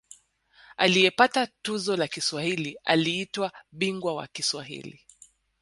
Aliyepata tuzo la Kiswahili aliitwa ‘Bingwa wa Kiswahili’.